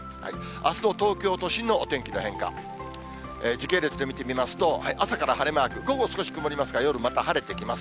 あすの東京都心のお天気の変化、時系列で見てみますと、朝から晴れマーク、午後、少し曇りますが、夜また晴れてきます。